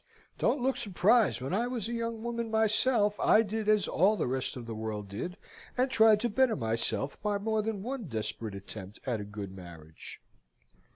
Don't look surprised! When I was a young woman myself I did as all the rest of the world did, and tried to better myself by more than one desperate attempt at a good marriage.